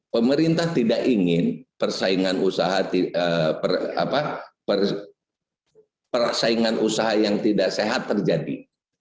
pemerintah tidak ingin persaingan usaha yang tidak sehat terjadi